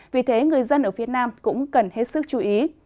vì thế người dân ở phía nam cũng cần hiểu